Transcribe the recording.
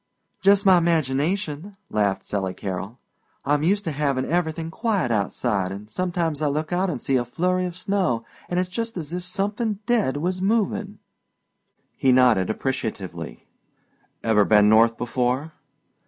"Just my imagination," laughed Sally Carroll "I'm used to havin' everythin' quiet outside an' sometimes I look out an' see a flurry of snow an' it's just as if somethin' dead was movin'." He nodded appreciatively. "Ever been North before?"